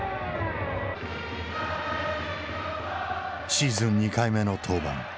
シーズン２回目の登板。